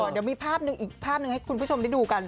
เดี๋ยวมีภาพหนึ่งอีกภาพหนึ่งให้คุณผู้ชมได้ดูกัน